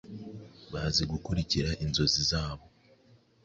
bazi gukurikira inzozi zabo,